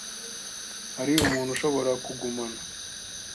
Hari umuntu ushobora kugumana?